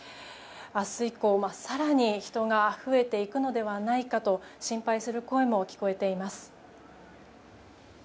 明日以降、更に人が増えていくのではないかと心配する声も聞こえています。